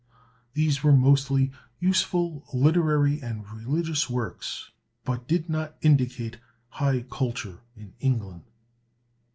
These were mostly useful literary and religious works, but did not indicate high culture in England.